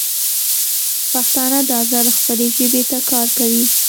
پښتانه دا ځل خپلې ژبې ته کار کوي.